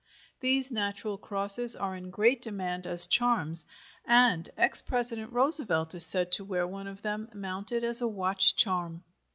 These natural crosses are in great demand as charms, and ex President Roosevelt is said to wear one of them mounted as a watch charm.